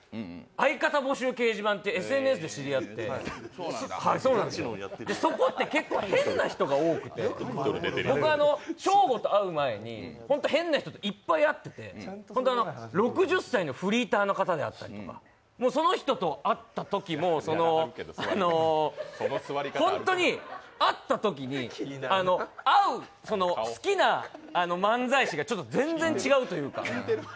相方募集掲示板って、ＳＮＳで知り合って、そこって結構変な人が多くて、僕、ショーゴと会う前に変な人といっぱい会ってて６０歳のフリーターの方であったりとかその人と会ったときも、ホントに会ったときに合う、好きな漫才師が全然違うっていうか。